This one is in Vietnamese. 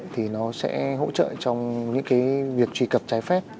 thì nó sẽ hỗ trợ trong những cái việc truy cập trái phép